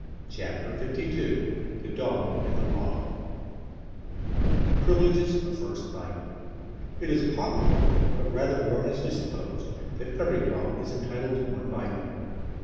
CHAPTER LII THE DOG AND THE LAW PRIVILEGES OF FIRST BITE It is popularly, but rather erroneously, supposed that every dog is entitled to one bite.